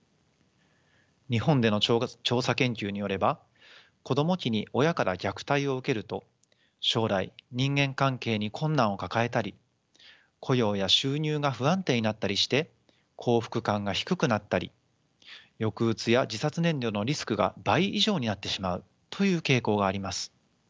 日本での調査研究によれば子ども期に親から虐待を受けると将来人間関係に困難を抱えたり雇用や収入が不安定になったりして幸福感が低くなったり抑うつや自殺念慮のリスクが倍以上になってしまうという傾向があります。